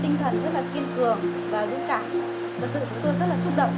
dụng lúc nào thì phải chịu thôi